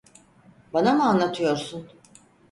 Bana mı anlatıyorsun?